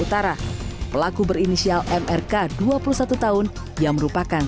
saya tidak bisa mencari penyakit